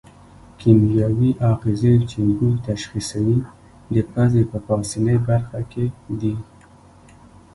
کیمیاوي آخذې چې بوی تشخیصوي د پزې په پاسنۍ برخه کې دي.